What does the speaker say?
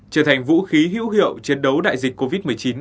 trở thành vũ khí hữu hiệu chiến đấu đại dịch covid một mươi chín